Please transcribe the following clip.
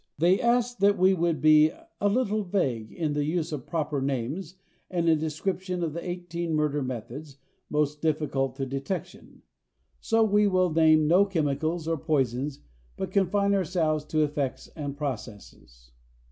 They asked that we be "a little vague" in the use of proper names and in description of the eighteen murder methods most difficult of detection. So, we will name no chemicals or poisons but confine ourselves to effects and processes.